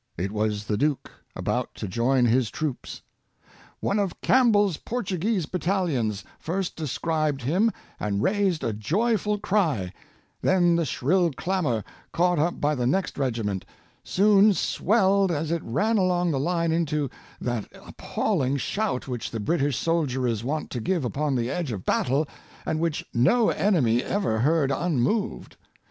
It was the duke, about to join his Influence of Character, 77 troops. '' One of Campbell's Portuguese battalions first descried him, and raised a joyful cry; then the shrill clamor, caught up by the next regiment, soon swelled as it ran along the line into that appalling shout which the British soldier is wont to give upon the edge of battle, and which no enemy ever heard unmoved.